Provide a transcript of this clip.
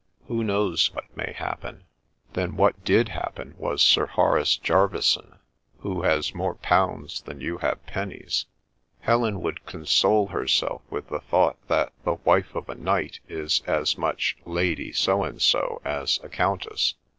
Who knows what may happen?' Then what did happen was Sir Horace Jerveyson, who has more pounds than you have pennies. Helen would console herself with the thought that the wife of a knight is as much ' Lady So and So ' as a countess.